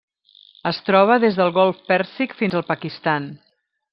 Es troba des del Golf Pèrsic fins al Pakistan.